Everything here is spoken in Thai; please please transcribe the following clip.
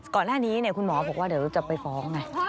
ก่อนหน้านี้คุณหมอบอกว่าเดี๋ยวจะไปฟ้องไง